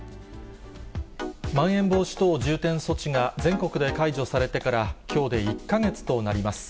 まん延防止等重点措置が全国で解除されてから、きょうで１か月となります。